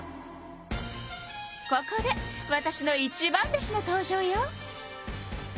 ここでわたしの一番弟子の登場よ。